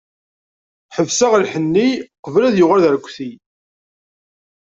Ḥebseɣ lḥenni, qbel ad yuɣal d arekti.